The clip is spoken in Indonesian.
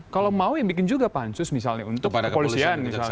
kalau mau ya bikin juga pansus misalnya untuk kepolisian misalnya